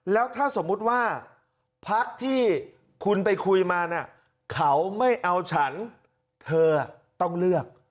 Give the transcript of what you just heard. แล้วถ้าสมมุติว่าพักที่คุณไปคุยมาเขาไม่เอาฉันเธอต้องเลือก